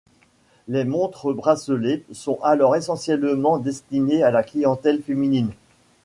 Les montres-bracelets sont alors essentiellement destinées à la clientèle féminine.